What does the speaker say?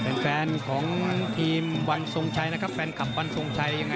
เป็นแฟนของทีมวรรณสงชัยนะครับแฟนคับวรรณสงชัย